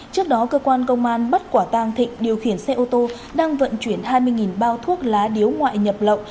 trước đó cơ quan công an bắt quả tang thịnh điều khiển xe ô tô đang vận chuyển hai mươi bao thuốc lá điếu ngoại nhập lậu